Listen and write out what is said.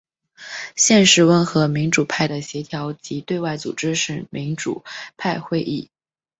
现时温和民主派的协调及对外组织是民主派会议。